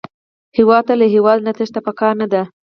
هېواد ته له هېواده نه تېښته پکار نه ده